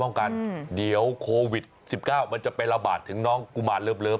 กันเดี๋ยวโควิด๑๙มันจะไประบาดถึงน้องกุมารเลิฟ